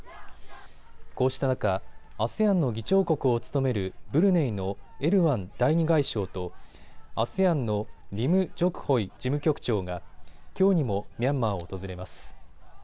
こうした中、ＡＳＥＡＮの議長国を務めるブルネイのエルワン第二外相とＡＳＥＡＮのリム・ジョクホイ事務局長がきょうにもミャンマーを訪れます。